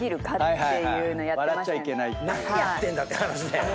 笑っちゃいけないっていう。